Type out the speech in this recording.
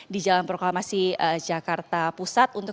di jalan proklamasi jakarta pusat